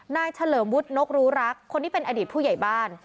เฉลิมวุฒินกรู้รักคนที่เป็นอดีตผู้ใหญ่บ้าน